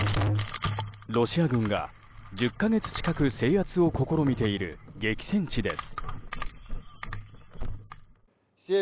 ロシア軍が１０か月近く制圧を試みている激戦地です。